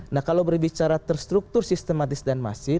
nah kalau berbicara terstruktur sistematis dan masif